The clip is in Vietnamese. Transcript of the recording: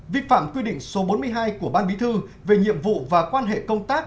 vi phạm quy định số bốn mươi hai của ban bí thư về nhiệm vụ và quan hệ công tác